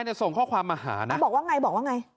ส่งข้อความมาหานะบอกว่าไงบอกว่าไง